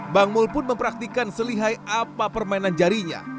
bang mul pun mempraktikan selihai apa permainan jarinya